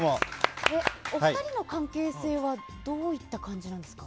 お二人の関係性はどういった感じなんですか？